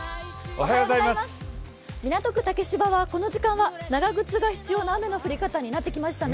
港区竹芝はこの時間は長靴が必要な雨の降り方になってきましたね。